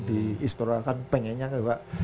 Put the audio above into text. di istora kan pengennya kebak